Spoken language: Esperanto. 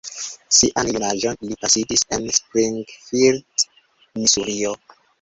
Sian junaĝon li pasigis en Springfield, Misurio.